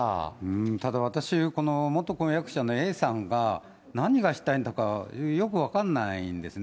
ただ、私この元婚約者のＡさんが何がしたいんだか、よく分からないんですね。